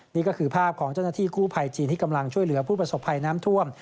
นี่ก็คือภาพของเจ้าหน้าที่กู้ภัยจีนที่กำลังช่วยเหลือผู้ประสบภัยน้ำท่วม